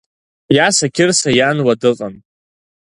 Иаса Қьырса иан уа дыҟан.